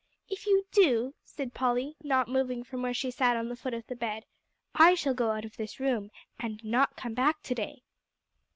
"If you do," said Polly, not moving from where she sat on the foot of the bed, "I shall go out of this room, and not come back to day."